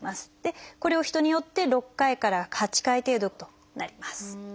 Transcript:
これを人によって６回から８回程度となります。